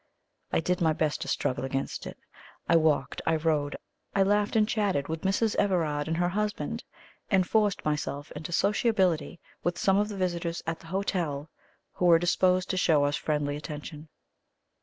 I did my best to struggle against it; I walked, I rode, I laughed and chatted with Mrs. Everard and her husband, and forced myself into sociability with some of the visitors at the hotel, who were disposed to show us friendly attention.